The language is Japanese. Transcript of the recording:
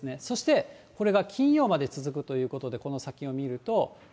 そしてこれが金曜まで続くということで、この先を見ると。